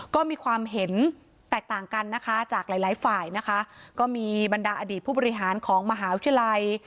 ก็มีความเห็นแตกต่างกันนะคะจากหลายหลายฝ่ายนะคะก็มีบรรดาอดีตผู้บริหารของมหาวิทยาลัย